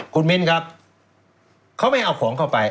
คุณมิ้นครับเขาไม่เอาของเข้าไป